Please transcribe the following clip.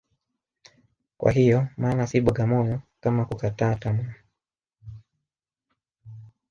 Kwa hiyo maana si bwaga moyo kama kukataa tamaa